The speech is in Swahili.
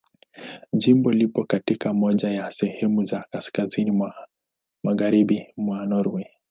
Jimbo lipo katika moja ya sehemu za kaskazini mwa Magharibi mwa Norwei.